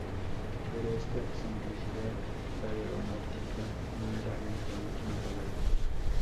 Pero esta excentricidad aeronáutica no era aún la última palabra.